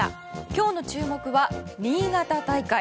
今日の注目は新潟大会。